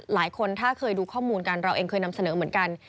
หลายคนถ้าเคยดูข้อมูลกันเราเองเคยนำเสนอเหมือนกัน